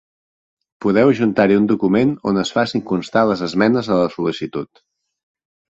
Podeu adjuntar-hi un document on es facin constar les esmenes a la sol·licitud.